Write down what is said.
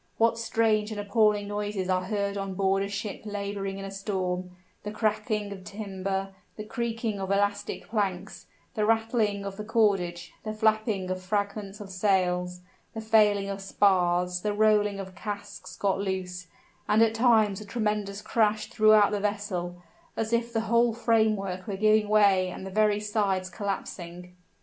What strange and appalling noises are heard on board a ship laboring in a storm the cracking of timber, the creaking of elastic planks, the rattling of the cordage, the flapping of fragments of sails, the failing of spars, the rolling of casks got loose, and at times a tremendous crash throughout the vessel, as if the whole framework were giving way and the very sides collapsing!